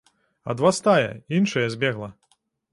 Ад вас тая, іншая збегла.